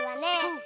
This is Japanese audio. うん。